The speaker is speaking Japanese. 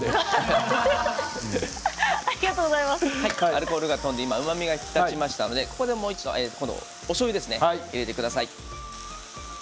アルコールが飛んでうまみが引き立ちましたのでここでおしょうゆを入れてください。